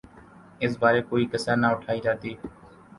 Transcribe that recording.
اس بارے کوئی کسر نہ اٹھائی جاتی۔